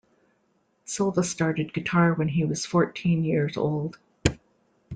Silva started guitar when he was fourteen years old.